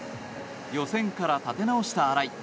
予選から立て直した荒井。